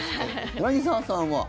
柳澤さんは？